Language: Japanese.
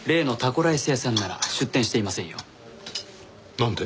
なんで？